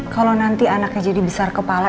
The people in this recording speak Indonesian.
kalau nanti anaknya jadi besar kepala